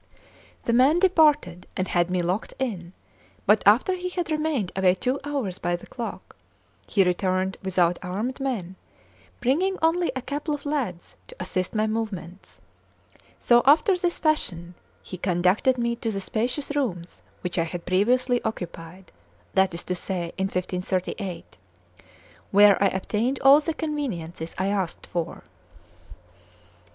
The man departed, and had me locked in; but after he had remained away two hours by the clock, he returned without armed men, bringing only a couple of lads to assist my movements; so after this fashion he conducted me to the spacious rooms which I had previously occupied (that is to say, in 1538), where I obtained all the conveniences I asked for.